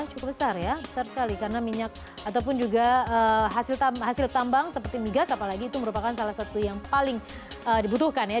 cukup besar ya besar sekali karena minyak ataupun juga hasil tambang seperti migas apalagi itu merupakan salah satu yang paling dibutuhkan ya